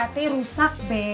mixer tadi rusak be